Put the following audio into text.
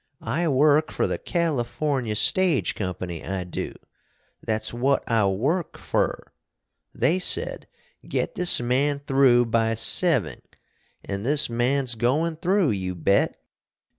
I work fer the California Stage Company, I do. That's wot I work fer. They said, 'Get this man through by seving.' An' this man's goin' through, you bet!